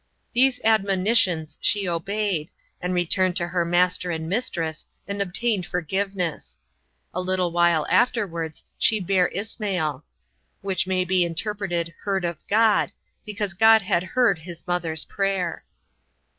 These admonitions she obeyed, and returned to her master and mistress, and obtained forgiveness. A little while afterwards, she bare Ismael; which may be interpreted Heard of God, because God had heard his mother's prayer.